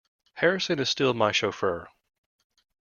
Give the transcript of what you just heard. Harrison is still my chauffeur.